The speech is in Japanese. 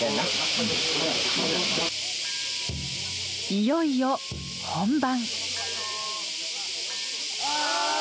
いよいよ本番。